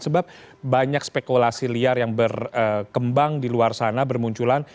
sebab banyak spekulasi liar yang berkembang di luar sana bermunculan